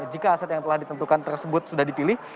jika aset yang telah ditentukan tersebut sudah dipilih